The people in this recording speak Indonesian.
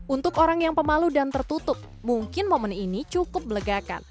untuk orang yang pemalu dan tertutup mungkin momen ini cukup melegakan